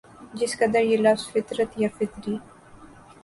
جس قدر یہ لفظ فطرت یا فطری